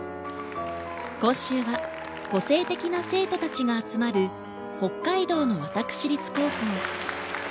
今週は個性的な生徒たちが集まる北海道の私立高校。